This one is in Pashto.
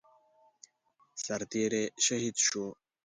سرتيری شهید شو